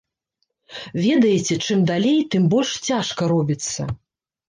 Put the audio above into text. Ведаеце, чым далей, тым больш цяжка робіцца.